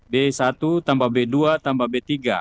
d satu tambah b dua tambah b tiga